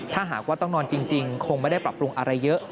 ถ้าหากว่าต้องนอนจริงคงไม่ได้ปรับปรุงอะไรเยอะ